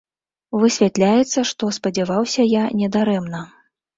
Высвятляецца, што спадзяваўся я не дарэмна.